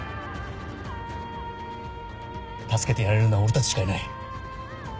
助けてやれるのは俺たちしかいない。